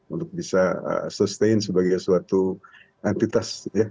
untuk bisa sustain sebagai suatu entitas ya